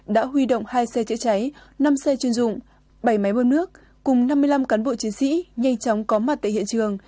đã huy động hai xe chữa cháy năm xe chuyên dụng bảy máy bơm nước cùng năm mươi năm cán bộ chiến sĩ nhanh chóng có mặt tại hiện trường